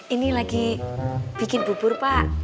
ini lagi bikin bubur pak